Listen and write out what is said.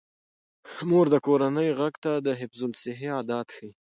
مور د کورنۍ غړو ته د حفظ الصحې عادات ښيي.